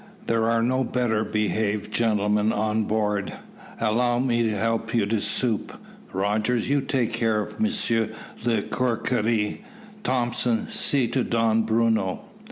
"There are no better behaved gentlemen on board. Allow me to help you to soup. Rogers, you take care of Monsieur de Querkerie; Thompson, see to Don Bruno."